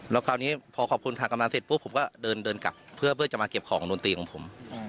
แล้วคราวนี้พอขอบคุณทางกำนังเสร็จผมก็เดินด้านครุ่งเดินกลับเพื่อมาเก็บของโดนตีนของผม